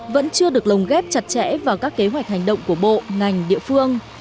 vẫn chưa được lồng ghép chặt chẽ vào các kế hoạch hành động của bộ ngành địa phương